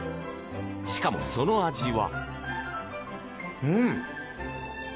しかも、その味は。